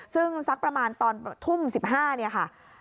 ซึ่งสักประมาณตอนทุ่ม๑๕เนี่ยค่ะ